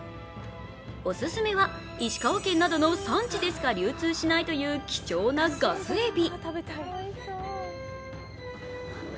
おすすめは石川県などの産地でしか流通しないという、貴重なガスエビ。